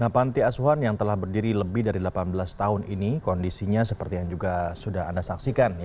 panti asuhan yang telah berdiri lebih dari delapan belas tahun ini kondisinya seperti yang juga sudah anda saksikan